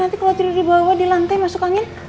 ya nanti kalau tidur di bawah di lantai masuk angin